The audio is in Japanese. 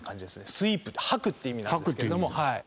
スイープって掃くって意味なんですけども。